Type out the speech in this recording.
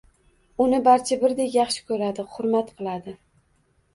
Uni barcha birdek yaxshi ko’radi, hurmat qiladi.